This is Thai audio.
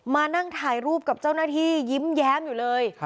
มานั่งถ่ายรูปกับเจ้าหน้าที่ยิ้มแย้มอยู่เลย